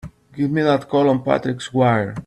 Give me that call on Patrick's wire!